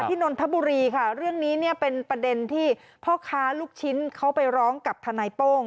นนทบุรีค่ะเรื่องนี้เนี่ยเป็นประเด็นที่พ่อค้าลูกชิ้นเขาไปร้องกับทนายโป้ง